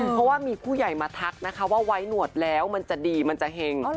เพราะว่ามีผู้ใหญ่มาทักนะคะว่าไว้หนวดแล้วมันจะดีมันจะเห็ง